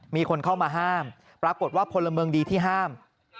มีคนเข้ามาห้ามปรากฏว่าพลเมืองดีที่ห้าม